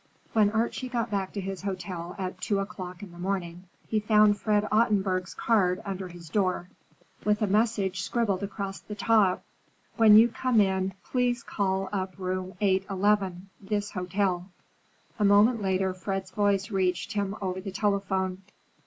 V When Archie got back to his hotel at two o'clock in the morning, he found Fred Ottenburg's card under his door, with a message scribbled across the top: "When you come in, please call up room 811, this hotel." A moment later Fred's voice reached him over the telephone.